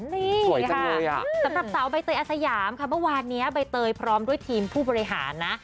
นี่ค่ะสำหรับสาวใบเตยอาสยามค่ะเมื่อวานนี้ใบเตยพร้อมด้วยทีมผู้บริหารนะ